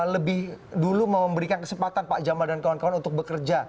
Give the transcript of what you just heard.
lebih dulu mau memberikan kesempatan pak jamal dan kawan kawan untuk bekerja